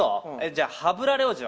じゃあハブラレ王子は？